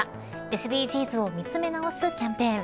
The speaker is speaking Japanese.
ＳＤＧｓを見つめ直すキャンペーン。